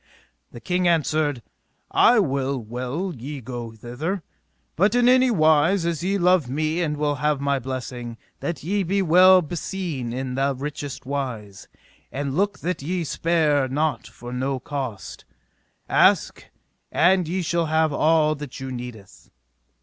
The king answered: I will well ye go thither, but in any wise as ye love me and will have my blessing, that ye be well beseen in the richest wise; and look that ye spare not for no cost; ask and ye shall have all that you needeth.